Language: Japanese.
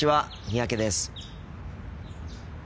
三宅です。